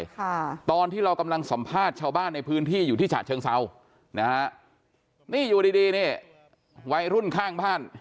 ค่ะตอนที่เรากำลังสัมภาษณ์ชาวบ้านในพื้นที่อยู่ที่ฉะเชิงเซานะฮะนี่อยู่ดีดีนี่วัยรุ่นข้างบ้าน